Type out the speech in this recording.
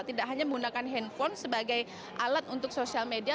tidak hanya menggunakan handphone sebagai alat untuk sosial media